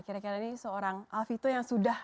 kira kira ini seorang alfito yang sudah